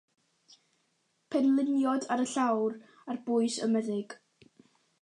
Penliniodd ar y llawr ar bwys y meddyg.